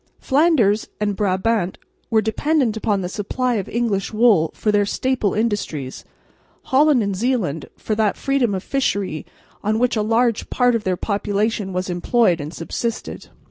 Flanders and Brabant were dependent upon the supply of English wool for their staple industries, Holland and Zeeland for that freedom of fishery on which a large part of their population was employed and subsisted.